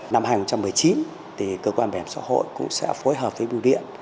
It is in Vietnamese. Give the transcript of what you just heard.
năm hai nghìn một mươi chín cơ quan bảo hiểm xã hội cũng sẽ phối hợp với bưu điện